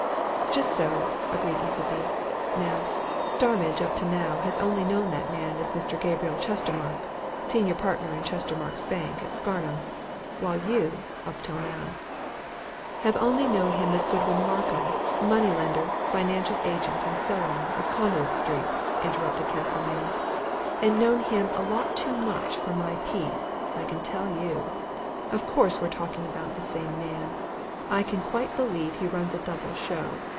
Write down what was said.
"Just so," agreed Easleby. "Now, Starmidge up to now has only known that man as Mr. Gabriel Chestermarke, senior partner in Chestermarke's Bank, at Scarnham, while you, up to now " "Have only known him as Godwin Markham, money lender, financial agent, and so on, of Conduit Street," interrupted Castlemayne. "And known him a lot too much for my peace, I can tell you! Of course, we're talking of the same man! I can quite believe he runs a double show.